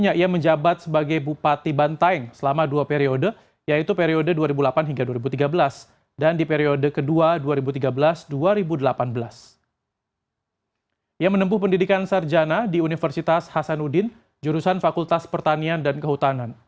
yang menempuh pendidikan sarjana di universitas hasanuddin jurusan fakultas pertanian dan kehutanan